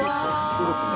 そうですね。